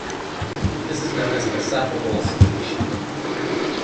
This is known as esophageal speech.